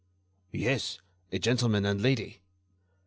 "Yes; a gentleman and lady."